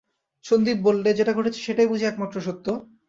সন্দীপ বললে, যেটা ঘটেছে সেটাই বুঝি একমাত্র সত্য?